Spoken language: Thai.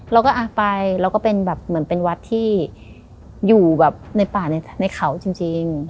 เราก็ไปแล้วก็เป็นแบบเหมือนเป็นวัดที่อยู่แบบในป่าในเขาจริง